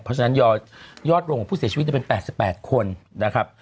เพราะฉะนั้นยอดรวมของผู้เสียชีวิตเป็น๘๘คนนะครับ